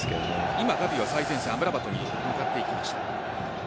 今、ガヴィは最前線アムラバトに向かっていきました。